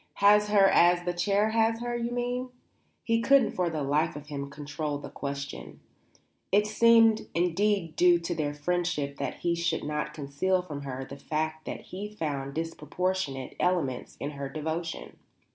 "Has her as the chair has her, you mean?" He couldn't for the life of him control the question. It seemed indeed due to their friendship that he should not conceal from her the fact that he found disproportionate elements in her devotion.